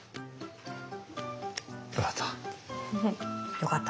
良かった。